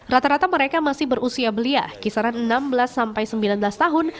rata rata mereka masih berusia belia kisaran enam belas sampai sembilan belas tahun